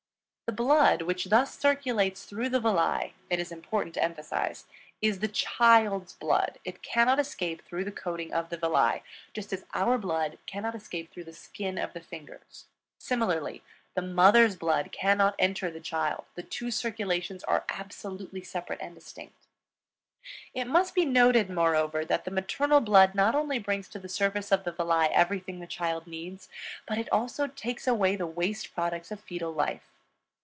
The blood which thus circulates through the villi, it is important to emphasize, is the child's blood; it cannot escape through the coating of the villi, just as our blood cannot escape through the skin of the fingers. Similarly, the mother's blood cannot enter the child; the two circulations are absolutely separate and distinct. It must be noticed, moreover, that the maternal blood not only brings to the surface of the villi everything the child needs, but it also takes away the waste products of fetal life.